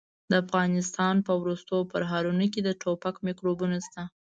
د افغانستان په ورستو پرهرونو کې د ټوپک میکروبونه شته.